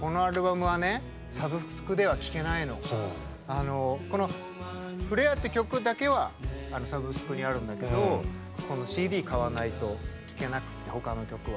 あのこの「フレア」って曲だけはサブスクにあるんだけどこのＣＤ買わないと聴けなくてほかの曲は。